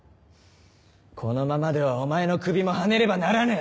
このままではお前の首もはねねばならぬ！